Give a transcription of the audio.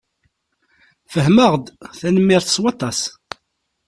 Fehmeɣ-d. Tanemmirt s waṭas.